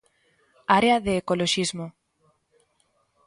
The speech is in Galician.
Área de Ecoloxismo.